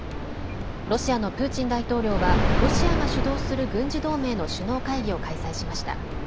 ロシアのプーチン大統領はロシアが主導する軍事同盟の首脳会議を開催しました。